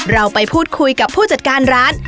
เราไปพูดคุยกับผู้จัดการร้าน